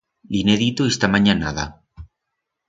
Li'n he dito ista manyanada.